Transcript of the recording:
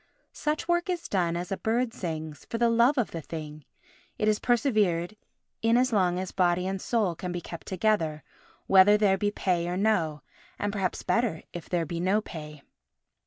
Such work is done as a bird sings—for the love of the thing; it is persevered in as long as body and soul can be kept together, whether there be pay or no, and perhaps better if there be no pay.